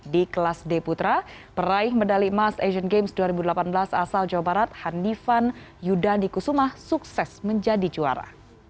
di kelas d putra peraih medali emas asian games dua ribu delapan belas asal jawa barat hanifan yudhani kusumah sukses menjadi juara